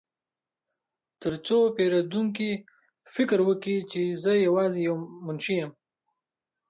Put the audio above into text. ترڅو پیرودونکي فکر وکړي چې زه یوازې یو منشي یم